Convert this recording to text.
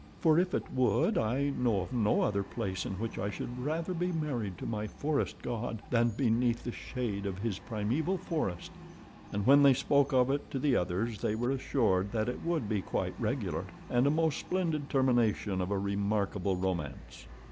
"For if it would I know of no other place in which I should rather be married to my forest god than beneath the shade of his primeval forest." And when they spoke of it to the others they were assured that it would be quite regular, and a most splendid termination of a remarkable romance.